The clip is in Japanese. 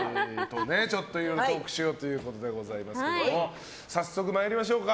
ちょっといろいろトークしようということでございますけど早速参りましょうか。